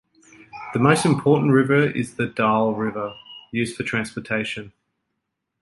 The most important river is the Daule River, used for transportation.